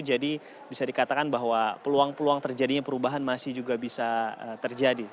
jadi bisa dikatakan bahwa peluang peluang terjadinya perubahan masih juga bisa terjadi